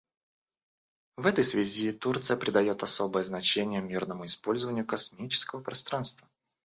В этой связи Турция придает особое значение мирному использованию космического пространства.